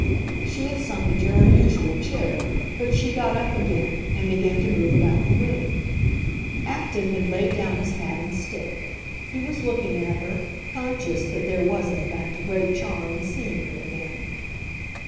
She had sunk into her usual chair; but she got up again, and began to move about the room. Acton had laid down his hat and stick; he was looking at her, conscious that there was in fact a great charm in seeing her again.